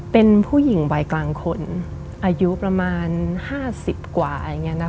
เป็นผู้หญิงวัยกลางคนอายุประมาณ๕๐กว่า